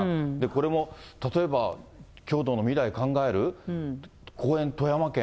これも例えば郷土の未来考える、後援、富山県？